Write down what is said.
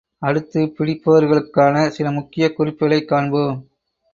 அடுத்து, பிடிப்பவர்களுக்கான சில முக்கியக் குறிப்புகளைக் காண்போம்.